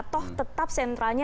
toh tetap sentralnya